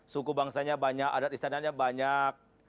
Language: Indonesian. suku bangsanya banyak adat istananya banyak